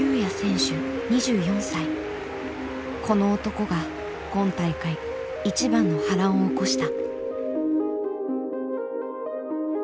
この男が今大会一番の波乱を起こした。